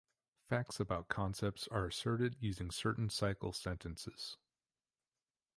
Facts about concepts are asserted using certain CycL "sentences".